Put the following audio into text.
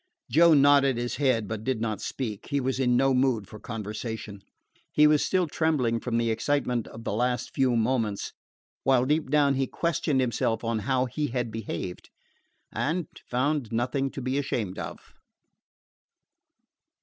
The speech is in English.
Joe nodded his head, but did not speak. He was in no mood for conversation. He was still trembling from the excitement of the last few moments, while deep down he questioned himself on how he had behaved, and found nothing to be ashamed of.